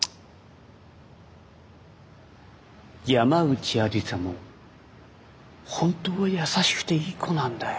山内愛理沙も本当は優しくていい子なんだよ。